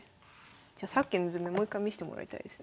じゃあさっきの図面もう一回見してもらいたいです。